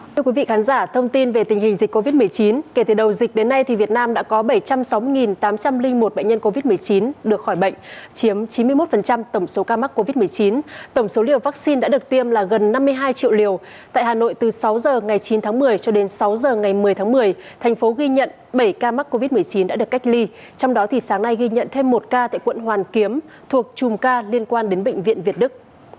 các quý vị khán giả thông tin về tình hình dịch covid một mươi chín kể từ đầu dịch đến nay thì việt nam đã có bảy trăm linh sáu tám trăm linh một bệnh nhân covid một mươi chín được khỏi bệnh chiếm chín mươi một tổng số ca mắc covid một mươi chín tổng số liều vaccine đã được tiêm là gần năm mươi hai triệu liều tại hà nội từ sáu giờ ngày chín tháng một mươi cho đến sáu giờ ngày một mươi tháng một mươi thành phố ghi nhận bảy ca mắc covid một mươi chín đã được cách ly trong đó thì sáng nay ghi nhận thêm một ca tại quận hoàn kiếm thuộc chùm ca liên quan đến bệnh viện việt đức